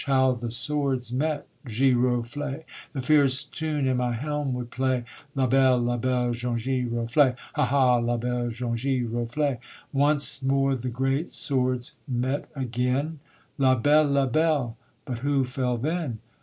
how the swords met: giroflée! The fierce tune in my helm would play, La belle! la belle! jaune giroflée! Hah! hah! la belle jaune giroflée. Once more the great swords met again: "La belle! la belle!" but who fell then?